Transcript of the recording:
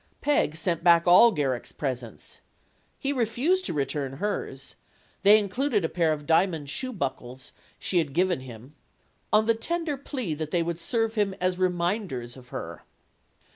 Peg sent back all Garrick' s presents. He refused to return hers they included a pair of diamond shoe buckles she had given him on the tender plea that they would serve him as reminders of her.